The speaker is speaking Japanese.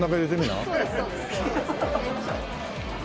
そうですそうです。